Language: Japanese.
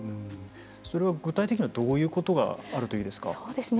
それは具体的にはどういうことがあるといいですか。